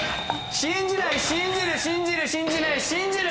信じない信じる信じる信じない信じる。